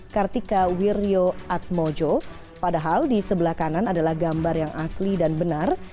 kartika wirjo atmojo padahal di sebelah kanan adalah gambar yang asli dan benar